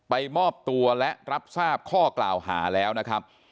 มอบตัวและรับทราบข้อกล่าวหาแล้วนะครับ